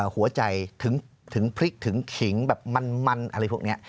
หัวใจถึงพริกถึงขิงแบบมันอะไรพวกนี้